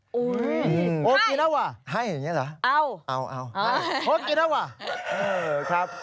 บ๊วยโอกินาว่าให้เห็นอย่างนี้เหรอ